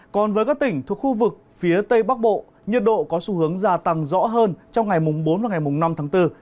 còn với các tỉnh thuộc khu vực phía tây bắc bộ nhiệt độ có xu hướng gia tăng rõ hơn trong ngày bốn và ngày năm tháng bốn